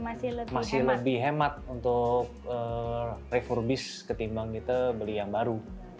dari segi costnya masih lebih hemat untuk refurbish ketimbang kita beli yang baru